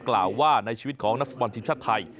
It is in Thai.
กล่าวว่าในชีวิตของนักสมบัติชีพชาติไทย